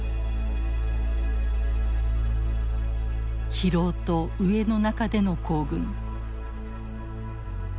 疲労と飢えの中での行軍。